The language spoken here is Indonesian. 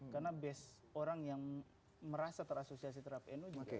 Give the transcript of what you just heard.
karena base orang yang merasa terasosiasi terhadap nu juga